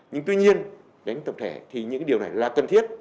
nhưng tuy nhiên đánh tập thể thì những điều này là cần thiết